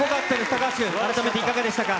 高橋君、改めていかがでしたか？